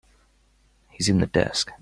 He's in the desk.